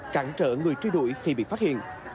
cản trở người truy đuổi khi bị phát hiện